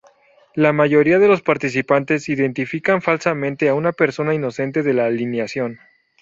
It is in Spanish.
La mayoría de los participantes identifican falsamente a una persona inocente de la alineación.